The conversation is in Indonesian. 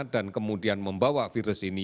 dan kemudian membawa virus ini